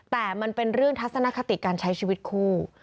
แต่มันเป็นเรื่องทัศนคติการใช้ชีวิตคู่